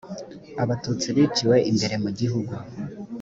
abatutsi biciwe imbere mugihugu.